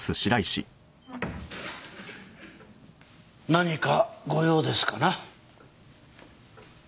何かご用ですかな？